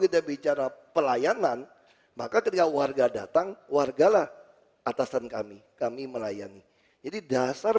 kita bicara pelayanan maka ketika warga datang wargalah atasan kami kami melayani jadi dasar